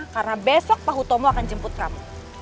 karena besok pak hutomo akan jemput kamu